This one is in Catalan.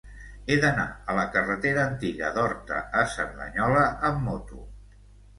He d'anar a la carretera Antiga d'Horta a Cerdanyola amb moto.